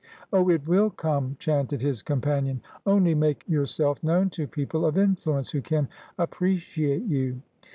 "Oh it will come!" chanted his companion. "Only make yourself known to people of influence, who can appreciate you."